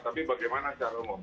tapi bagaimana secara umum